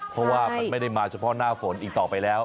เพราะว่ามันไม่ได้มาเฉพาะหน้าฝนอีกต่อไปแล้ว